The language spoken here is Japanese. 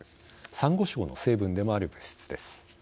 さんご礁の成分でもある物質です。